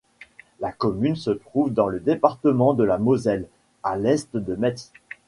La commune se trouve dans le département de la Moselle, à l'est de Metz.